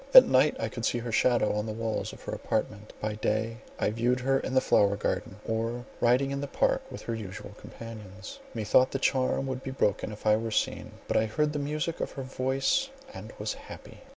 At night I could see her shadow on the walls of her apartment; by day I viewed her in her flower garden, or riding in the park with her usual companions. Methought the charm would be broken if I were seen, but I heard the music of her voice and was happy.